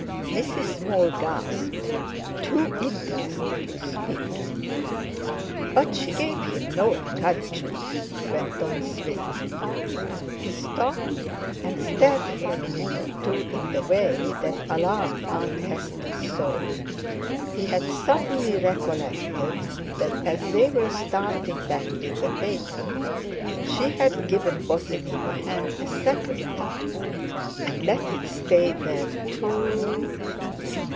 Mrs. Small gasped—too interested to speak. "But she gave him no encouragement," went on Swithin; he stopped, and stared for a minute or two in the way that alarmed Aunt Hester so—he had suddenly recollected that, as they were starting back in the phaeton, she had given Bosinney her hand a second time, and let it stay there too....